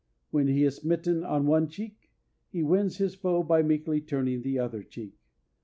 When he is smitten on one cheek, he wins his foe by meekly turning the other cheek.